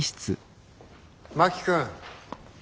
真木君